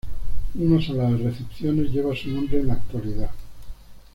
Una sala de recepciones lleva su nombre en la actualidad.